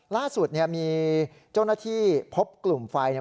ล่าสุดมีเจ้าหน้าที่พบกลุ่มไฟ